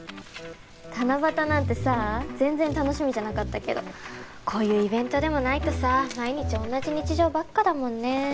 七夕なんてさ全然楽しみじゃなかったけどこういうイベントでもないとさ毎日同じ日常ばっかだもんね。